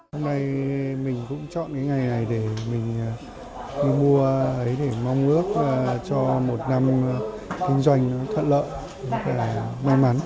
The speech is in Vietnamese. hôm nay mình cũng chọn ngày này để mình đi mua để mong ước cho một năm kinh doanh thật lợi và may mắn